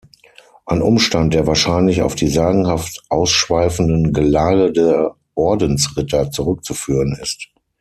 Ein Umstand, der wahrscheinlich auf die sagenhaft ausschweifenden Gelage der Ordens-Ritter zurückzuführen ist.